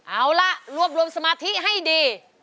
เอาล่ะรวบรวมสมาธิให้ดี